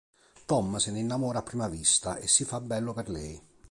Tom se ne innamora a prima vista, e si fa bello per lei.